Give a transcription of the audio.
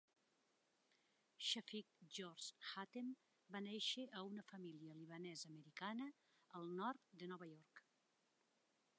Shafick George Hatem va néixer a una família libanesa-americana al nord de Nova York.